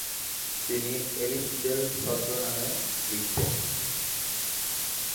তিনি Ellis Bell ছদ্মনামে লিখতেন।